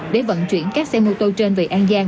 để vận chuyển các xe mô tô trên về an giang